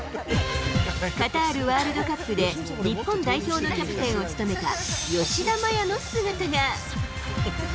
カタールワールドカップで、日本代表のキャプテンを務めた吉田麻也の姿が。